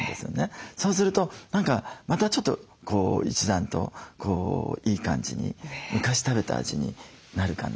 そうすると何かまたちょっと一段といい感じに昔食べた味になるかな。